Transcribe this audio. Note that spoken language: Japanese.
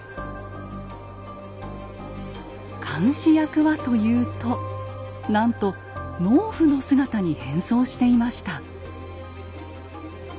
監視役はというとなんと農夫の姿に変装していました。